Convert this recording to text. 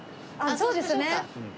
そうですね。